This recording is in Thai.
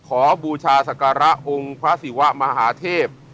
บูชาศักระองค์พระศิวะมหาเทพ